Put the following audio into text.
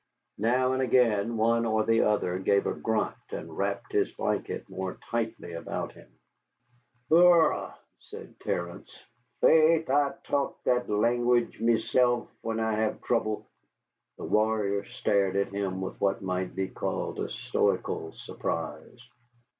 Now and again one or the other gave a grunt and wrapped his blanket more tightly about him. "Umrrhh!" said Terence. "Faith, I talk that langwidge mesilf when I have throuble." The warriors stared at him with what might be called a stoical surprise.